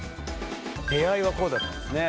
出会いはこうだったんですね。